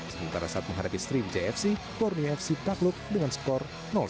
sementara saat menghadapi stream jfc borneo fc tak luk dengan skor satu